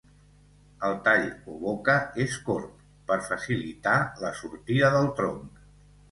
El tall o boca és corb, per facilitar la sortida del tronc.